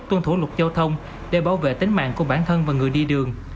tuân thủ luật giao thông để bảo vệ tính mạng của bản thân và người đi đường